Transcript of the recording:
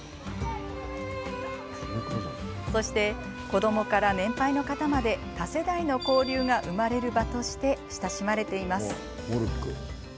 そして、子どもから年配の方まで多世代の交流が生まれる場として親しまれています。